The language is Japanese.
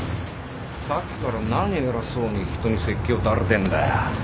さっきから何偉そうに人に説教垂れてんだよ？